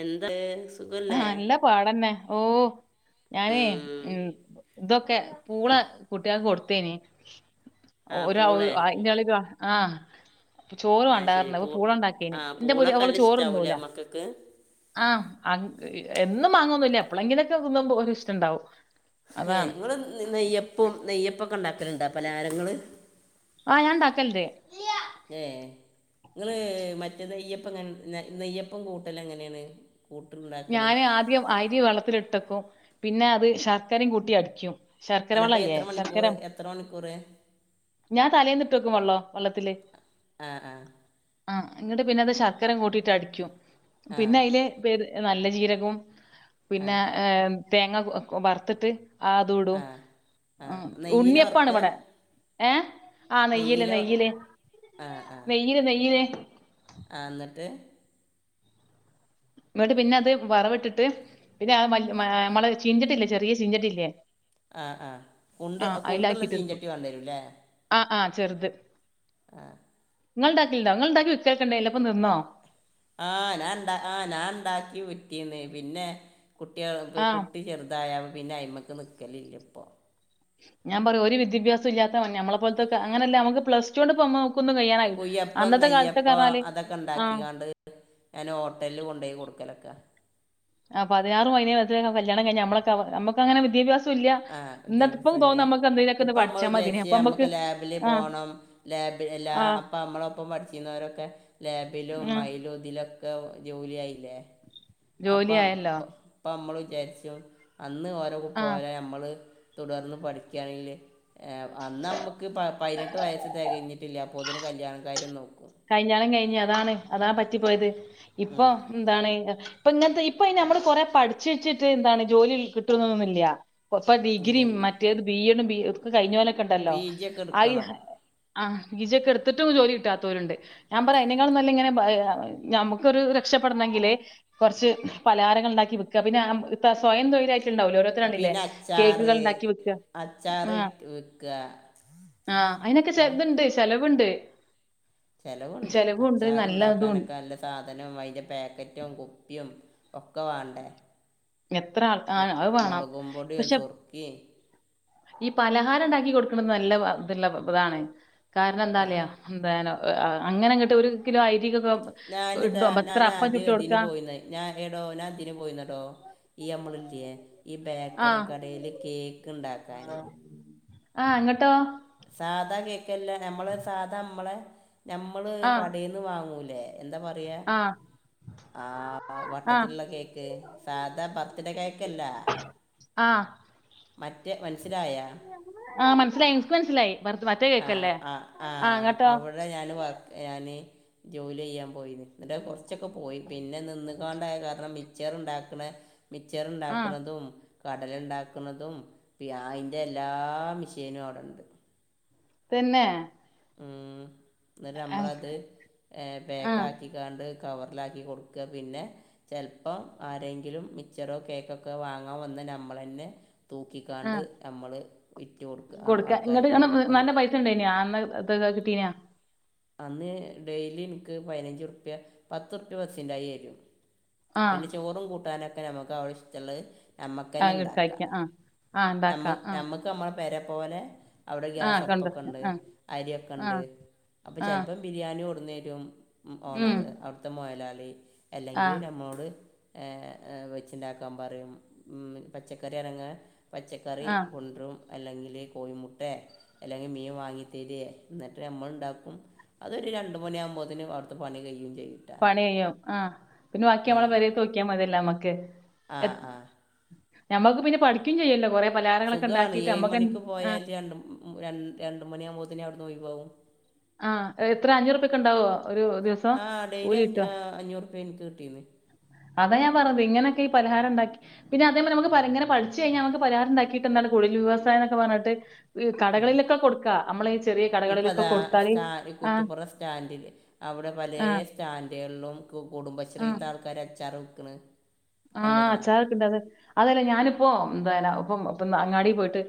എന്ത് നല്ല പാടന്നെ ഓ ഞാനേയ് ഉം ഇതൊക്കെ പൂള കുട്ടിയക്ക് കൊട്ത്തേയ്നിം ആ ഒരു പൂളെ [unintelligible] ആഹ് ചോറ് ആ ശരി വാണ്ടാർഞ്ഞ് അപ്പോ പൂ പൂള് ആ ഇണ്ടാക്കിയേനിം എന്റെ പൂതി പൂളൊക്കെ ഓള് നല്ല ചോറ് ഇഷ്ടാവൂലേ തിന്നുലാ മക്കൾക്ക് ആഹ് അങ്ങ [unintelligible] എന്നും മാങ്ങോന്നുല്ല എപ്പളങ്കിലൊക്കെ തിന്നിമ്പോ ഒരു ഇഷ്ടം ഇണ്ടാവും ഏഹ് ഇങ്ങള് നെയ്യപ്പം നെയ്യപ്പൊക്കെ ഇണ്ടാക്കലിണ്ട പലഹാരങ്ങള് ആഹ് ഞാൻ ഇണ്ടാക്കൽണ്ട് ഏഹ് ഇങ്ങള് മറ്റേ നെയ്യപ്പം എങ്ങ നെ നെയ്യപ്പം കൂട്ടല് എങ്ങനെണ് കൂട്ടിണ്ട ഞാന് ആദ്യം അരി വെള്ളത്തിലിട്ടക്കും പിന്നെ അത് ശർക്കരിം കൂട്ടി അടികും ശർക്കര അല്ല അപ്പൊ വള്ളല്യേ എത്ര മണിക്കൂർ ശർക്കരം എത്ര മണിക്കൂറ് ഞാൻ തലേന്നിട്ട് വെക്കും വള്ളം വള്ളത്തില് ആഹ് ആഹ് ആഹ് ഇന്നട്ട് പിന്നത് ശർക്കര കൂട്ടിട്ട് അടിക്കും പിന്നെ അയില് പെര് നല്ല ജീരകോം ആ ആ പിന്നെ ഏഹ് തേങ്ങ കൊ ബർത്തിട്ട് ആഹ് ആ അതുടും ആ ആഹ് നെയ്യില ഉണ്ണിയപ്പാണ് വറുക്കുക ഇവടെ ഏഹ് ആഹ് നെയ്യില് നെയ്യില നെയ്യില് നെയ്യില് നെയ്യില് ആഹ് ഇന്നട്ട് ഇന്നട്ട് പിന്നെ അത് വറവിട്ടിട്ട് പിന്നെ ആ മാ നമ്മള് ചീഞ്ചട്ടില്ലേ ചെറിയ ചീഞ്ചട്ടില്ലേ ആഹ് ആഹ് കുണ്ട് ആഹ് കുണ്ട്ള്ള അയിലാക്കിട്ട് എടുക്കും ചീൻചട്ടി വാണ്ടെരും ലെ ആഹ് ആഹ് ചെറ്ത് ഇങ്ങൾ ഇണ്ടാക്കൽണ്ടൊ ഇങ്ങൾണ്ടാക്കി വിക്കലൊക്കെ ഇണ്ടേയ്നെലോ ഇപ്പം നിന്നോ ആഹ് ഞാണ്ടാ ആഹ് ഞാൻ രണ്ടാം ഞാൻ ഇണ്ടാക്കി വിറ്റീന്ന് പിന്നെ കുട്ട്യാൾക്ക് ആഹ് കുട്ടി ചെർ തായപ്പം പിന്നെ അയ്മ്മയ്ക്ക് നിക്കലില്ല ഇപ്പോ ഞാൻ പറയ ഒരു വിദ്യാഭ്യാസൊല്ലാത്ത വൻ ഞമ്മള പോൽത്തൊക്ക അങ്ങനല്ല ഞമ്മക്ക് പ്ലസ്ടു ഒണ്ട് ഇപ്പ കൊന്നും കയ്യാനാ കുയ്യപ്പം നെയ്യപ്പം അതൊക്കെ ആഹ് ഇണ്ടാക്കാണ്ട് ഞാൻ ഹോട്ടൽല്ല് കൊണ്ടെയ് കൊട്ക്കലൊക്ക ആഹ് പതിനാറും പയ്നെയ്യും വെയ്സ്സ് കഴിഞ്ഞ കല്യാണം കയിഞ്ഞ ഞമ്മളൊക്കെ ഞമ്മക്ക് അങ്ങനെ വിദ്യാഭാ ആഹ് വിദ്യാഭ്യാസല്യ. എന്തേലൊക്കെ ഒന്ന് ഇപ്പമ്മള് പഠിച്ചാ മതിയേനി വിചാരിച്യാ അപ്പൊ നമ്മക്ക് ഞമ്മക്ക് ലാബില് ആഹ് പോണം. ലാബില് ലാ ആഹ് അപ്പം ഞമ്മളൊപ്പം പഠിച്ചിര്ന്നൊരൊക്കെ ലാബിലും ഉം അയിലും ഇതിലൊ ക്കെ ജോലിയായിലെ. ജോലി അപ്പം ആയല്ലോ അപ്പം ഞമ്മള് വിചാരിച്ചും അന്ന് ഓരോ ക്കെ ആഹ് പോരെ നമ്മള് തുടർന്ന് പഠിക്കയാണെങ്കില് ഏഹ് അന്നമ്മക്ക് പ പയിനെട്ട് വയസ്സ് തെകഞ്ഞിട്ടില്ല. അപ്പൊതിന് കല്യാണ കാര്യം നോക്കും. കല്യാണം കഴിഞ്ഞ്. അതാണ് അതാ പറ്റിപ്പോയത്. ഇപ്പോ ഉം. എന്താണ് ഇപ്പം ഇങ്ങനത്തെ ഇപ്പൊ അയിന് ഞമ്മള് കൊറെ പഠിച്ച് വെച്ചിട്ട് എന്താണ് ജോലി കിട്ടൊന്നുല്ല. ഇപ്പം ഇല്ല ഡിഗ്രിം ഇല്ല മറ്റേത് ബി എഡും ബി ഒക്കെ കഴിഞ്ഞോലൊക്കെ ണ്ടല്ലോ പി ജി ഒക്കെ ആയ് എടുക്കണം ആഹ് പി ജോ ക്കെ ഇട്ത്തിട്ടും ജോലി കിട്ടാതൊരിണ്ട്. ഞാൻ പറയാ അയ്നേക്കാളും നല്ല ഇങ്ങനെ പ യ ഞമുക്കൊരു രക്ഷപ്പെടണെങ്കില് കൊർച്ച് പലഹാരങ്ങൾ ണ്ടാക്കി വിക്ക. പിന്നെ സ്വയം തൊഴിലയിട്ട് ണ്ടാവല്ലോ. ഓരോ തര് കണ്ടില്ലേ പിന്നെ അച്ചാറ് കേക്കുകൾ ണ്ടാക്കി വിക്ക. അച്ചാറ് ആഹ് വിറ്റ് വിൽക്കുക ആഹ് അയിനൊക്കെ ഏ ചെറുതുണ്ട്. ചെലവുണ്ട്. ചെലവുണ്ട്. ചെലവുണ്ട് നല്ലതും അച്ചാറുണ്ടാക്കാനൊക്കെ നല്ല സാധനും അതിന്റെ പാക്കറ്റും കുപ്പിം ഒക്കെ വേണ്ടേ. എത്ര ആൾ ആ മൊ അത് വേണം മുളകും പൊടിയും പക്ഷെ സുർക്കിം. ഈ പലഹാരം ണ്ടാക്കി കൊടുക്കണത് നല്ല ഇതുള്ള ഇതാണ്. കാരണം ആ എന്താരിയാ. എന്താനോ അങ്ങനെങ്ങിട്ട് ഒരു കിലോ അരിക്കൊക്കെ ഞാനിതാ ഇത്ര ഞാൻ അപ്പം ആദ്യം ചുട്ട് ഇതിന് കൊടുക്കാ. പോയിന്ന് ഞാൻ ഏ ടോ ഞാൻതിരി പോയിന്നടൊ. ഈ നമ്മളില്ലേ ഈ ആ ബേക്കറി കടയില് കേക്ക്ണ്ടാക്കാന്. ആഹ് ങ്ങ ട്ടോ സാധാ കേക്കല്ല. നമ്മള് സാധാ മ്മളെ നമ്മള് ആ കടയിന്ന് വാങ്ങൂലേ. എന്താ പറയ ആ ആഹ് ആ വട്ടത്തിലുള്ള കേക്ക്. സാധാ ബർത്ത്ഡേ കേക്കല്ലാ. ആഹ് മറ്റേ മൻസ്സിലായ. ആഹ് മനസ്സിലായി. ൻക്ക് മനസ്സിലായി. വറു മറ്റേ കേക്കല്ലേ. ആഹ് ങ്ങട്ടോ? ന്താ ഞാന് വർ ഞാന് ജോലിയ്യാൻ പോയി. എന്നിട്ട് കുറച്ചൊക്കെ പോയി. പിന്നെ നിന്നുകാണ്ടായ കാരണം മിചറ് ണ്ടാക്കണ ആ മിച്ചറ്ണ്ടാക്കണതും. കടലണ്ടാക്ക്‌ണതും പി അയിൻ്റെ എല്ലാ മിഷീനും അവിടെണ്ട്. തെന്നെ. ആഹ് ന്നരം നമ്മളത് ഏഹ് ആ ബേക്കാക്കിക്കാണ്ട് കവറിലാക്കി കൊടുക്ക. പിന്നെ ചെലപ്പോ ആരെങ്കിലും മിച്ചറോ കേക്കൊക്കെ വാങ്ങാൻ വന്ന നമ്മളന്നെ ആ തൂക്കിക്കാണ്ട് നമ്മള് വിറ്റ് കൊടുക്ക. ആ ആൾക്കാർക്ക് ണ്ടന്യോ. ഇത് കിട്ടീനാ. അന്ന് ഡെയിലി നിക്ക് പതിനഞ്ച് റുപ്യ പത്ത്റുപ്യ ബസ്സിൻ കായി തരും. ആ പിന്നെ ചോറും കൂട്ടാനൊക്കെ നമുക്ക് ആവിശ്യത്തുള്ളത് ആ നമ്മക്കന്നെ ണ്ടാക്കാം. കഴിക്കാം ആ ആ നമ്മ ഉണ്ടാക്കാം ആ നമ്മ ക്ക് നമ്മ പെര പോലെ അവിടെ ആ ഗ്യാസടുപ്പൊക്കെ കൊണ്ടുവരാം ണ്ട്. ആ ആ അരിയൊക്കണ്ട്. അപ്പൊ ആ ചെലപ്പോ ബിരിയാണി കൊടന്നരും. ഉം ഓണർ. അവിടുത്തെ മൊതലാളി. ആ അല്ലെങ്കി നമ്മോട് ഏഹ് ഹ് വെച്ചുണ്ടാക്കാൻ പറിം. ഉം പച്ചക്കറി ആനങ്ങ് പച്ചക്കറി ആ കൊണ്ടരും അല്ലെങ്കില് കോഴിമുട്ടേ അല്ലെങ്കി മീൻ വാങ്ങി തരിയെ എന്നിട്ട് നമ്മളുണ്ടാക്കും അതൊരു രണ്ട് മണിയാകുമ്പോത്തേന് അവ്ടുത്തെ പണി കഴിയേം ചെയ്യും കേട്ടോ പണി കയ്യും ആഹ് പിന്നെ ബാക്കി ആ നമ്മളെ പേരെലത്തെ നോക്കിയാ മതിയല്ലൊ നമ്മക്ക് ആ എ- ആ നമ്മുക്ക് പിന്നെ പഠിക്കേം ചെയ്യല്ലോ കൊറേ സുഖാണ് ഏഴ് മണിക്ക് പോയാല് ര ര രണ്ട് മണിയാകുമ്പോത്തേന് അവിടുന്ന് ഒഴിവാവും ആഹ് എത്ര അഞ്ഞൂറുപ്യക്കു ണ്ടാവോ ആഹ് ഡെയിലി അ അഞ്ഞൂറ് റുപ്യാ എനിക്ക് കിട്ടീന്നേ അതാ ഞാൻ പറഞ്ഞത് ഇങ്ങനൊക്കെ ഈ പലഹാര ണ്ടാക്കി- പിന്നെ അതേപോലെ നമുക്കിങ്ങനെ പഠിച്ച് കഴിഞ്ഞാ നമുക്ക് പലഹാരം ഉണ്ടാക്കീട്ട് എന്താണ് കുടിൽ വ്യവസായ എന്നക്കെ പറഞ്ഞിട്ട് ഈ ആ കടകളിലൊക്കെ കൊടുക്കാ നമ്മള് ഈ ചെറിയ ഇപ്പം കടകളിലൊക്കെ അതാ കൊടു സ്റ്റാ കുറ്റിപ്പുറം സ്റ്റാൻഡിൽ അവിടെ പലേ ആ സ്റ്റാൻഡുകളിലും ആ കുടുംബശ്രീത്ത ആൾക്കാരെ അച്ചാറ് വിക്ക്ണ് ആഹ് അച്ചാറക്കുണ്ട് അത് അതല്ല ഞാനിപ്പൊ എന്ത ഇപ്പം ഇപ്പ അങ്ങാടി പോയിട്ട്-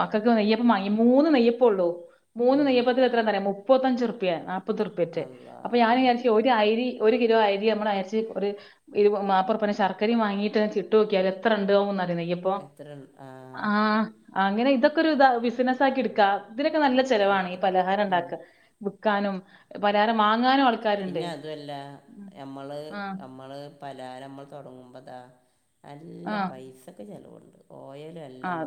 മക്കക്ക് നെയ്യപ്പം വാങ്ങി മൂന്ന് നെയ്യപ്പോള്ളൂ മൂന്ന് ഉം. നെയ്യപ്പത്തിന് എത്രന്നറിയോ മുപ്പത്തഞ്ച് റുപ്യ നാപ്പത് റുപ്യാറ്റ് അല്ലാ അപ്പൊ ഞാൻ വിചാരി- ച്ച് ഒര രി ഒരുകിലോ അരി നമ്മൾ അരച്ച് ഒര് നാപ്പറുപ്യാ ശർ- ക്കരേം വാങ്ങീട്ട് ചിട്ട് നോക്കിയാലെത്ര ഇണ്ടാവോന്ന് നോക്കി അപ്പൊ എത്ര ഉൾ- ആ ആഹ് അങ്ങനെ ഇതൊക്കെ ഒരു ഇതാ ബിസിനസ്സ് ആക്കി എടുക്കാ ഇതിനൊക്കെ നല്ല ചെലവാണ് ഈ പറ്റും പലഹാരം ഉം. ഒണ്ടാക്ക് വിക്കാനും പലഹാരം വാങ്ങാനും ആള് - പിന്ന അതുവല്ല നമ്മള് ആഹ് നമ്മള് പലഹാരം മ്മൾ തൊടങ്ങുമ്പൊ താ അല്ല ആഹ് പൈസക്കെ ചെലവുണ്ട് ഓയല് - ആഹ്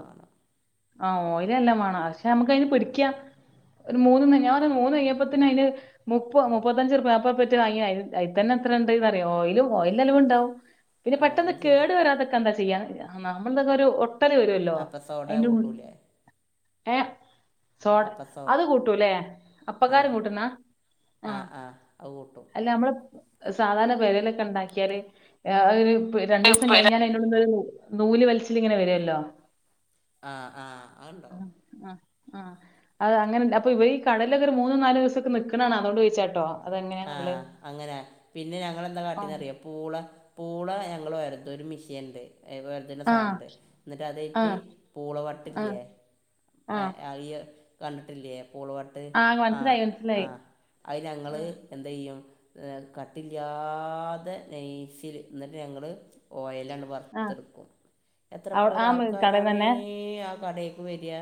ആഹ് ഓയില് എല്ലാം വേണം പക്ഷെ നമുക്ക് അതിനെ പിടിക്കാം ഒരു മൂന്ന്ന്ന് ഞാന മൂന്ന് കഴിയഞ്ഞപ്പ തന്നെ അയ്ന് മുപ്പ മുപ്പത്തഞ്ച്റുപ്യ അപ്പ പറ്റി വാങ്ങ്യ അത്ൽ തന്ന എത്ര ഉണ്ട് ന്നറിയ ഓയില് ഓയിലും അലിവു ണ്ടാവും പിന്നെ ആ, ഓൻ പെട്ടെന്ന് ചില കേടു വരാതൊക്കെ എന്താ ചെയ്യാ നമ്മളതൊക്കെ ഒരു ഒട്ടല് വരോ ല്ലോ അപ്പസോഡ അയിന്റെ കൂ കൂട്ടൂലേ ഏഹ് സോഡ അപ്പസോഡ അത് കൂട്ടൂല്ലേ ആ അപ്പകാരം കൂട്ടുന്നാ ആ ആഹ് ആ അത് കൂട്ടും അല്ല അമ്മള്- സാധാരണ പെരേലൊക്കെ ണ്ടാക്കിയാല് ഒര് രണ്ടീസം കഴിഞ്ഞാലെ- നൂല് വലിച്ചിലിങ്ങനെ വരോല്ലോ ആഹ് ആഹ് അത് ഉണ്ടാവും ആഹ് ആഹ് അത് അങ്ങനെണ്ട് അപ്പ ഇവര് ഈ കടലൊക്കെ മൂന്നും നാല് ദിവസൊക്കെ നിക്കണേണ് അതുകൊണ്ട് ചോദിച്ചേട്ടോ ആഹ് അങ്ങനെ പിന്നെ ഞങ്ങളെ ന്താ ആ കാട്ടീന്നറിയോ പൂള പൂള ഞങ്ങള് വരത്തൊരു മിഷീൻണ്ട് അത്പോലെ ആഹ് സാധനുണ്ട് എന്നിട്ട് അത്കഴിഞ്ഞിട്ട് ആഹ് ആഹ് പൂളവെട്ടില്ലേ ആഹ് കണ്ടിട്ടില്ലേ പൂളവെട്ട് ആഹ് മനസ്സിലായി മനസ്സിലായി ആഹ് അത് ഞങ്ങള് ആഹ് എന്തെയ്യും കട്ടില്ല്യാതെ നൈസില് എന്നിട്ട് ഞങ്ങള് ഓയലാണ് വറു ആഹ് ത്തെടുക്കും എത്ര അവ ആ പോരാ കടേന്ന് ആൾക്കാരാണേ തന്നെ ആ കടേ - ല് വര്യ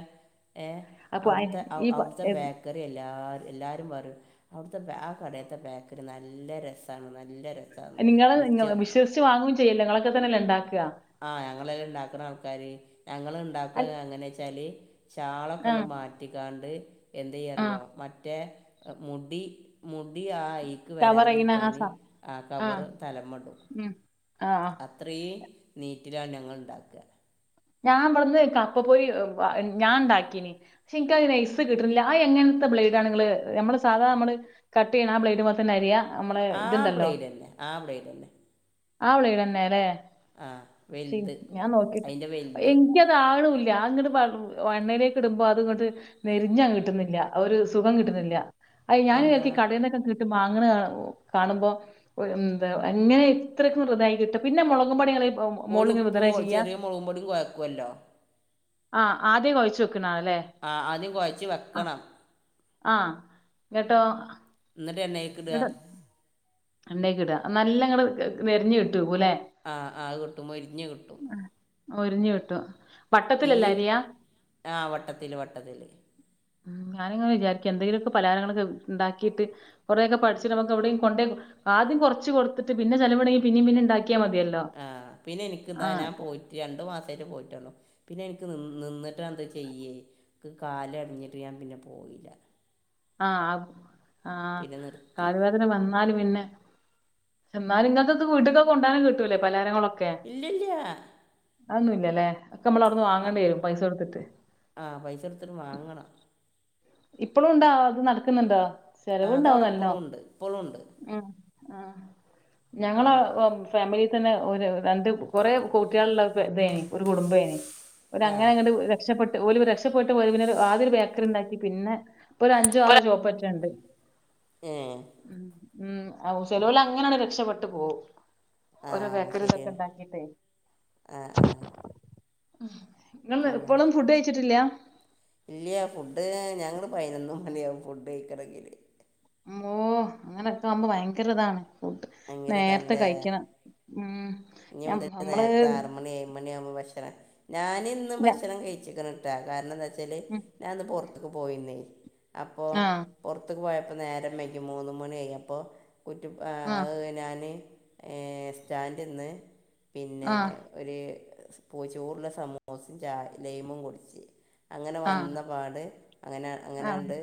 ഏഹ് അപ്പൊ അയ്- ഔടത്തെ ഈ ഔടത്തെ ബേ - റിഎല്ലാ എല്ലാരും പറയും അവിടുത്തെ ബേ- കടയത്തെ ബേക്കറി നല്ല രസാണ് നല്ല രസാ - നിങ്ങള് നിങ്ങള വിശ്വസിച്ച് വാങ്ങുകയും ചെയ്യോല്ല നിങ്ങളൊക്കെ തന്നല്ലെ ഉണ്ടാക്കുക ആഹ് ഞങ്ങളല്ല ഉണ്ടാക്കുന്ന ആൾക്കാര് ഞങ്ങള് ഇണ്ടാക്കണ എങ്ങനെ വെച്ചാല് ചാളൊക്കെ ആഹ് മാറ്റിക്കാണ്ട് എന്ത് ചെയ്യാ ആഹ് അറിയോ മറ്റേ മുടി മുടി ആഹ് ഐക്ക് കവർ ചെയ്യണ ആ വരാതിരിക്കാൻ സ ആഹ് കവറ് തലമേടും ഉം ആഹ് അത്രയും നീറ്റിലാണ് ഞങ്ങൾ ഉണ്ടാക്കുക ഞാൻ ഇവിടെന്ന് കപ്പ പോയി ഞാൻ ഉണ്ടാക്കീന് പക്ഷെ എനിക്കത് സൈസ് കിട്ടുന്നില്ല ആഹ് എങ്ങനത്തെ ബ്ലേഡാണ് നിങ്ങള് നമ്മള് സാധാ നമ്മള് കട്ട് ചെയ്യുന്ന ആഹ് ബ്ലേഡ്മേ തന്നെ അരിയാ നമ്മളെ ആഹ് ബ്ലേഡ് തന്നെ ആഹ് ബ്ലേഡ് തന്നെ ആഹ് ബ്ലേഡ് തന്നാലെ ആഹ് വലുത് അതിന്റ വലുത് എനിക്ക അത് ആകണുവില്ല അങ്ങട്ട് എണ്ണയിലേക്ക് ഇടുമ്പോ അത് ഇങ്ങോട്ട് നെരിഞ്ഞ് അങ്ങ് കിട്ടുന്നില്ല ഒരു സുഖം കിട്ടുന്നില്ല അത് എന്താ ഞാന് കടയിൽന്നൊക്കെ വാങ്ങണ കാണുമ്പോ എന്താ അങ്ങനെ എത്രക്കിതായി കിട്ടും പിന്നെ മുളകും പൊടിങ്ങ് ഓരു ഉപ്പും ചെറിയ മുളകും പൊടി കുയ്ക്കുമല്ലോ ആഹ് ആദ്യം കുഴച്ച് വെക്കുന്ന ആല്ലേ ആഹ് ആദ്യം കുഴച്ച് വെക്കണം ആ കേട്ടോ എന്നിട്ടെന്ന അയിക്കിടുക ഉണ്ടാക്കിടാ നല്ല ഇങ്ങടെ നെരഞ്ഞ് കിട്ടും ഇല്ലേ ആഹ് ആഹ് അത് കിട്ടും മൊരിഞ്ഞ് കിട്ടും മൊരിഞ്ഞ് കിട്ടും വട്ടത്തിലല്ലേ അരിയാ ആഹ് വട്ടത്തില് വട്ടത്തില് ഉം ഞാനിങ്ങനെ വിചാരിക്കും എന്തെങ്കിലുമൊക്കെ പലഹാരങ്ങളൊക്കെ ഉണ്ടാക്കിയിട്ട് കുറെക്കെ പഠിച്ച് നമുക്ക് എവിടെ കൊണ്ട് ആദ്യം കുറച്ച് കൊടുത്തിട്ട് പിന്നെ ചിലവുണ്ടെങ്കി പിന്നേം പിന്നേം ഉണ്ടാക്കിയാ മതിയല്ലോ ആഹ് പിന്നെ എനിക്ക് എന്താ ആഹ് ഞാൻ പോയി രണ്ടു മാസമായിട്ട് പോയിട്ടുള്ളു പിന്നെ എനിക്ക് നിന്നിട്ട് ആണിത് ചെയ്യേ കാലൊടിഞ്ഞിട്ട് ഞാൻ പിന്നെ പോയില്ല ആഹ് ആഹ് പിന്നെ നിർത്തി കാല് അ വന്നാല് പിന്നെ എന്നാ ഇങ്ങക്ക് വീട്ടിക്ക് ഒക്കെ കൊണ്ടുപോവാൻ കിട്ടൂല്ലേ പലഹാരങ്ങളൊക്കെ ഇല്ലില്ല്യാ അതൊന്നും ഇല്ല്യാല്ലേ ഒക്കെ നമ്മള് അവിടുന്ന് വാങ്ങേണ്ട വരും പൈസ കൊടുത്തിട്ട് ആഹ് പൈസ കൊടുത്തിട്ട് വാങ്ങണം ഇപ്പും ഉണ്ടോ അത് നടക്കുന്നുണ്ടോ ആ ചെലവുണ്ടാവും അതവിടെ നല്ലോ ഇപ്പോഴും ഉണ്ട് ഇപ്പോഴും ഉണ്ട് ഉം ആഹ് ഞങ്ങള് അങ്ങനെ ഫാമിലിയിൽ തന്നെ ഒരു രണ്ട് കുറെ കൂട്ടികാളള്ള ഇതേനി ഒരു കുടുംബേനി ഓര് ആ അങ്ങനെ അങ്ങട്ട് രക്ഷപ്പെട്ട് ഓല് രക്ഷപ്പെട്ട് പോയി പിന്നെ ആകെ ഒരു ബേക്കറി ഉണ്ടാക്കി പിന്നെ ഇപ്പൊ ഒരു അഞ്ചോ ആറോ ഷോപ്പ് ഒക്കെ ഉണ്ട് ഉം ഉം ചെലോല് അങ്ങനെയങ്ങ് രക്ഷപെട്ട് പോവും ആ ഒരു ബേക്കറി ഇതൊക്കെ ശരിയാണ് ഇണ്ടാക്കിട്ടേ ആ ആ നിങ്ങള് ഇപ്പോളും ഫുഡ് കഴിച്ചിട്ടില്ല ഇല്ല്യാ ഫുഡ് ഞങ്ങള് പയിനൊന്നു മണിയാകും ഫുഡ് കയ്ക്കണെങ്കില് ഓ അങ്ങനെയൊക്കെ ആവുമ്പോ ഭയങ്കര ഇതാണ് ഫുഡ് ഭയങ്കര നേരത്തെ ഇതാണല്ലേ കഴിക്കണം ഉം ഇനി ഞ മുതക്ക് നമ്മള് നേരത്തെ ആറ് മണി ഏഴ് മണി ആകുമ്പോ ഭക്ഷണം ഞാന് ഇന്നും ഞ ഭക്ഷണം കഴിച്ചിക്കുന്നു കാരണം എന്താ വെച്ചാല് ഉം ഞാനിന്ന് പുറത്തേക്ക് പോയിന്നേ അപ്പൊ ആഹ് പുറത്തേക്ക് പോയപ്പോ നേരം വെെകി മൂന്ന് മണി കഴിഞ്ഞപ്പോ കുറ്റി ആഹ് [unintelligible] ഞാന് ഏഹ് സ്റ്റാൻഡിന്ന് പിന്നെ ആഹ് ഒരു പൂ ചൂടുള്ള സമൂസയും ചായ ലെയ്മും കുടിച്ച് അങ്ങനെ ആഹ് വന്ന പാട് അങ്ങനെ ആഹ് അങ്ങനെയണ്ട്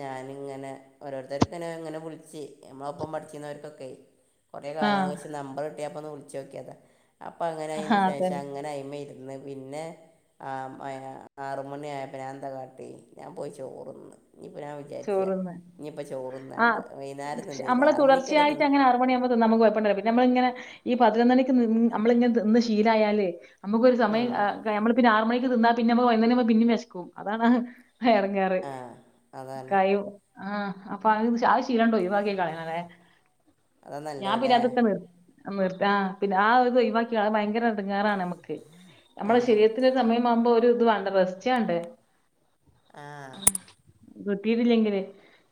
ഞാനിങ്ങനെ ഓരോരുത്തർക്ക് ഇങ്ങനെ ഇങ്ങനെ വിളിച്ച് നമ്മള ഒപ്പം പഠിച്ചിന്നവർക്കൊക്കെ കുറേ കാലങ്ങൾ ആഹ്. വെച്ച് നമ്പർ കിട്ടിയപ്പോൾ ഒന്ന് വിളിച്ച് നോക്കിയത അപ്പോം അങ്ങനെ ആഹാ അതിന് ശേഷം അതന്നെ. അങ്ങനെ [unintelligible] പിന്നെ ആഹ് ആറുമണി ആയപ്പ ഞാൻതാകട്ട് ചെയ്ത് ഞാൻ പോയി ചോറ് തിന്ന് ഇനിയിപ്പൊ ഞാൻ വിചാരിച്ച ചോറുണ്ണാൻ. ഇനിയിപ്പ ചോറു തിന്നാണ്ട ആഹ് വൈകുന്നേരം തിന്നീല്ല ആറ് മണിക്കല്ലെ [unintelligible] മണിയാവുമ്പോ തിന്നാ നമ്മുക്ക് [unintelligible] പിന്നെ നമ്മള് ഇങ്ങനെ ഈ പതിനൊന്ന് മണിക്ക് നമ്മള് ഇങ്ങനെ തിന്ന് ശീല ആയാല് നമ്മുക്ക് ഒരുസമയം ഉം. ആഹ് നമ്മൾ ഇപ്പോ ആറു മണിക്ക് തിന്നാ പിന്നെ വൈകുന്നേരാവുമ്പോ പിന്നെയും വിശക്കും അതാണ് [unintelligible] ആഹ് [unintelligible] [unintelligible] ഒഴിവാക്കികള അല്ലേ അതാ നല്ലത് ഞാൻ പിന്നെ അല്ലേ അതൊക്കെ നിർ [unintelligible] ആഹ് പിന്നെ ആ ഒരു [unintelligible] ഭയങ്കര എടങ്ങേറാണ് നമ്മുക്ക് ആ നമ്മളെ ശരീരത്തിന് ഒരു സമയമാവുമ്പോ ഒരു ഇത് വേണ്ടേ റസ്റ്റ് വേണ്ടേ ആഹ് കിട്ടിയിട്ടില്ലെങ്കിലെ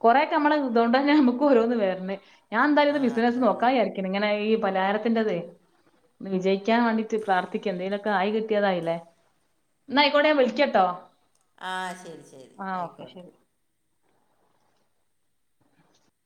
കൊറെക്കെ നമ്മള് ഇതൊണ്ടന്നെ നമ്മുക്ക് ഓരോന്ന് വരണേ ഞാൻ ആ എന്തായാലും ബിസിനസ്സ് അതന്നെ നോക്കാന്ന് വിചാരിക്കണ് ഇങ്ങനെ ഈ പലഹാരത്തിന്റേതെ വിജയിക്കാൻ വേണ്ടീട്ട് പ്രാർത്ഥിക്കും എന്തെങ്കിലൊക്കെ ആയി കിട്ടിയതായില്ലേ എന്നാ ആയിക്കോട്ടെ വിളിക്കാട്ടോ ആഹ് ശരി ശരി ആയിക്കോട്ടെ ശരി